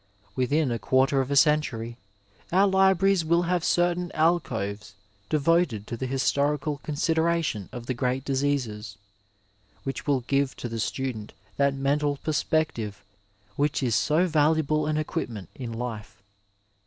Within a quarter of a century our libraries wiQ have certain alcoves devoted to the historical con sideration of the great diseases, which will give to the student that mental perspective which is so valuable an equipment in life.